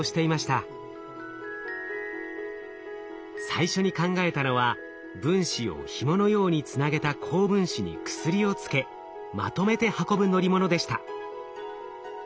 最初に考えたのは分子をひものようにつなげた高分子に薬をつけまとめて運ぶ乗り物でした。